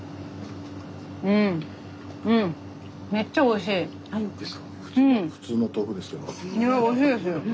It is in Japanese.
いやおいしいですよ。